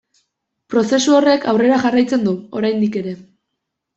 Prozesu horrek aurrera jarraitzen du, oraindik ere.